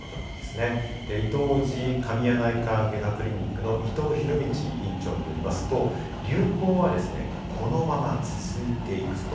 いとう王子神谷内科外科クリニックの伊藤博道院長によりますと、流行はこのまま続いていく。